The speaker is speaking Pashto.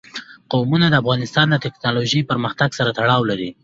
قومونه د افغانستان د تکنالوژۍ پرمختګ سره تړاو لري.